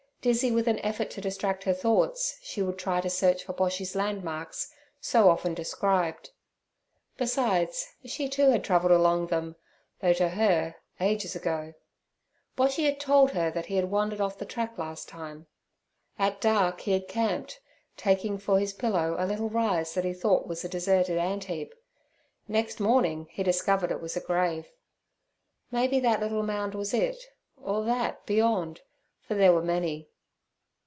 Dizzy with an effort to distract her thoughts, she would try to search for Boshy's landmarks, so often described. Besides, she too had travelled along them, though, to her, ages ago. Boshy had told her that he had wandered off the track last time. At dark he had camped, taking for his pillow a little rise that he thought was a deserted antheap; next morning he discovered it was a grave. Maybe that little mound was it—or that beyond, for there were many.